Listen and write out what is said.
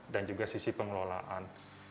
dan juga sisi pengelolaan